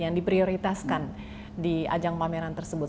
yang diprioritaskan di ajang pameran tersebut